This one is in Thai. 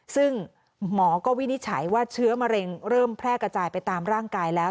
ซึ่งหมอก็วินิจฉัยว่าเชื้อมะเร็งเริ่มแพร่กระจายไปตามร่างกายแล้ว